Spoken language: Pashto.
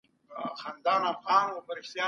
غير دولتي سازمانونه هم په سياسي پرېکړو کې اغېز لري.